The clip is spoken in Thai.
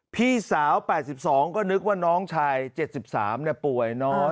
พี่สาว๘๒ก็นึกว่าน้องชาย๗๓ป่วยน้อย